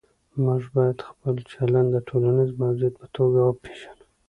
موږ باید خپل چلند د ټولنیز موجود په توګه وپېژنو.